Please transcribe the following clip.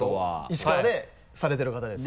石川でされてる方です。